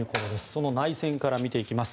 その内戦から見ていきます。